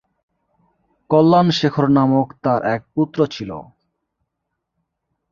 কল্যাণ শেখর নামক তার এক পুত্র ছিল।